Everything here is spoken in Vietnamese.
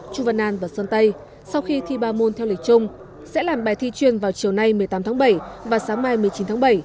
trung văn an và sơn tây sau khi thi ba môn theo lịch chung sẽ làm bài thi chuyên vào chiều nay một mươi tám tháng bảy và sáng mai một mươi chín tháng bảy